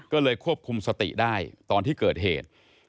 ก็เลยควบคุมสติได้ตอนที่เกิดเหตุ